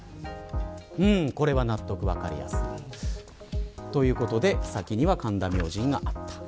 これは納得、分かりやすい。ということで先には神田明神があった。